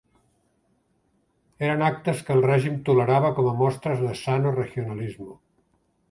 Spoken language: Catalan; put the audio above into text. Eren actes que el règim tol·lerava com a mostres de «sano regionalismo».